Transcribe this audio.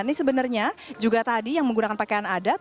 ini sebenarnya juga tadi yang menggunakan pakaian adat